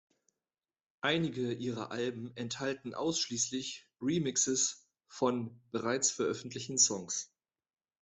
Einige ihrer Alben enthalten ausschließlich Remixes von bereits veröffentlichten Songs.